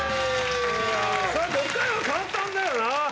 そら５回は簡単だよな！